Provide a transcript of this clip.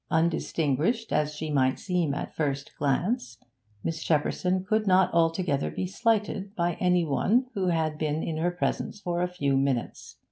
Undistinguished as she might seem at the first glance, Miss Shepperson could not altogether be slighted by any one who had been in her presence for a few minutes.